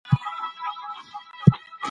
پرمختيا به په ټولنه کي مثبت تغيرات راولي.